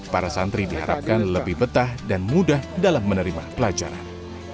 para santri diharapkan lebih betah dan mudah dalam menerima pelajaran